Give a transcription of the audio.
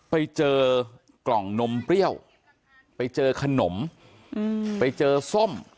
ไปเจอกล่องนมเปรี้ยวไปเจอขนมไปเจอส้ม